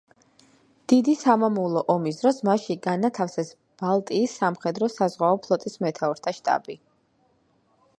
დიდი სამამულო ომის დროს მასში განათავსეს ბალტიის სამხედრო-საზღვაო ფლოტის მეთაურთა შტაბი.